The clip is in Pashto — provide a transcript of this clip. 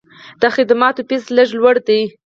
د خدماتو فیس لږ لوړ دی.